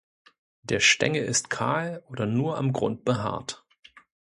Der Stängel ist kahl oder nur am Grund behaart.